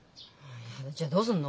じゃあどうすんの？